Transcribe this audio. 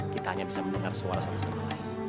kita hanya bisa mendengar suara satu sama lain